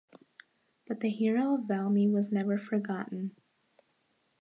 But the hero of Valmy was never forgotten.